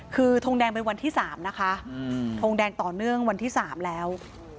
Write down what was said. คือทงแดงเป็นวันที่๓นะคะทงแดงต่อเนื่องวันที่๓แล้ว